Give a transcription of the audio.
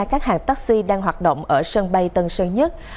các hãng taxi đang hoạt động ở sân bay tân sơn nhất